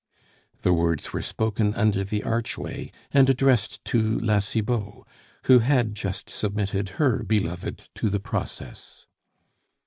The words were spoken under the archway, and addressed to La Cibot, who had just submitted her beloved to the process.